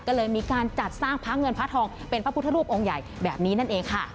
ก็เลยมีการจัดสร้างพระเงินพระทองเป็นพระพุทธรูปองค์ใหญ่แบบนี้นั่นเองค่ะ